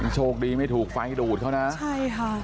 โชคดีไม่ถูกไฟดูดเขานะใช่ค่ะ